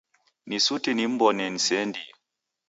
Ni suti nim'mbone niseendie.